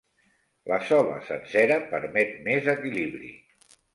La sola sencera permet més equilibri.